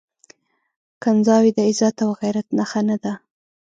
کنځاوي د عزت او غيرت نښه نه ده.